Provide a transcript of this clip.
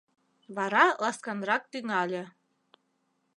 Вара ласканрак тӱҥале: